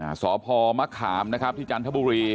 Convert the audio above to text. อ่าสอบภอมะขามนะครับที่จันทบุรี